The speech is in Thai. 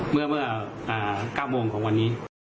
เมื่อ๙โมงของวันนี้